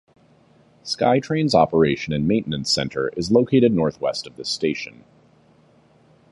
SkyTrain's operation and maintenance centre is located northwest of this station.